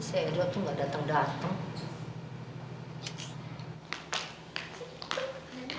seedot tuh gak dateng dateng